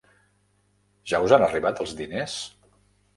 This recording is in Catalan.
Ja us han arribat els diners?